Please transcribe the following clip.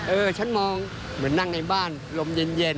เออฉันมองเหมือนนั่งในบ้านลมเย็นมันมีสีสัน